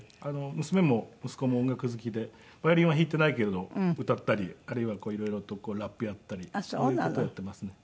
娘も息子も音楽好きでヴァイオリンは弾いていないけれど歌ったりあるいは色々とこうラップやったりそういう事をやっていますね。